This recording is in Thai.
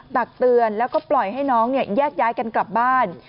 ตักเตือนแล้วก็ปล่อยให้น้องแยกย้ายกันกลับบ้าน